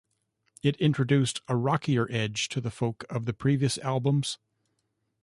It introduced a rockier edge to the folk of the previous albums.